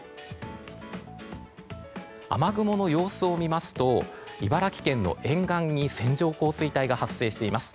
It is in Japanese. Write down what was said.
雨雲の様子を見ますと茨城県の沿岸に線状降水帯が発生しています。